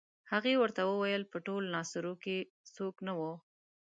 هغې ورته وویل په ټول ناصرو کې څوک نه وو.